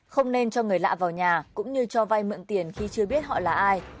không nên cho người lạ vào nhà cũng như cho vay mượn tiền khi chưa biết họ là ai